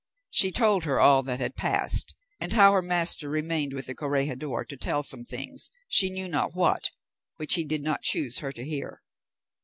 She told her all that had passed, and how her master remained with the corregidor to tell some things, she knew not what, which he did not choose her to hear.